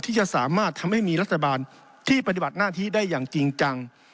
ที่จะสามารถทำให้มีรัฐบาลที่ปฏิบัติหน้าที่ได้อย่างจริงจัง